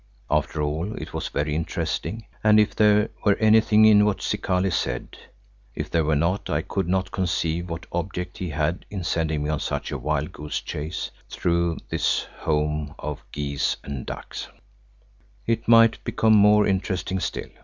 After all it was very interesting and if there were anything in what Zikali said (if there were not I could not conceive what object he had in sending me on such a wild goose chase through this home of geese and ducks), it might become more interesting still.